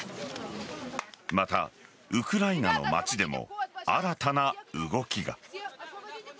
また、ウクライナの町でも新たな動きが。